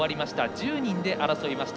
１０人で争いました。